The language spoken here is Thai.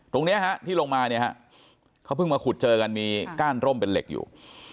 ตรงนี้ฮะที่ลงมาเนี่ยฮะเขาเพิ่งมาขุดเจอกันมีก้านร่มเป็นเหล็กอยู่